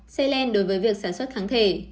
selen đối với việc sản xuất kháng thể